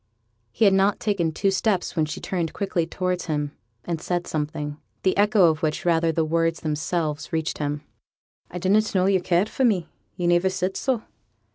He had not taken two steps when she turned quickly towards him, and said something the echo of which, rather than the words themselves, reached him. 'I didn't know yo' cared for me; yo' niver said so.'